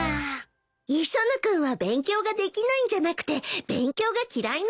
磯野君は勉強ができないんじゃなくて勉強が嫌いなのよ。